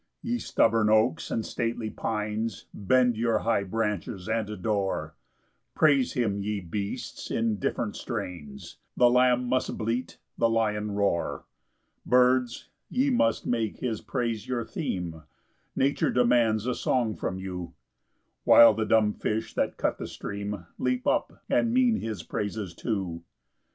7 Ye stubborn oaks, and stately pines, Bend your high branches and adore: Praise him, ye beasts, in different strains; The lamb must bleat, the lion roar. 8 Birds, ye must make his praise your theme, Nature demands a song from you; While the dumb fish that cut the stream Leap up, and mean his praises too.